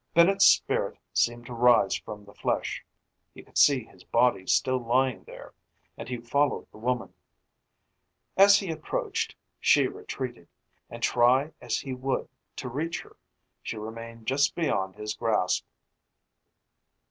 Bennett's spirit seemed to rise from the flesh he could see his body still lying there and he followed the woman. As he approached she retreated and, try as he would to reach her, she remained just beyond his grasp.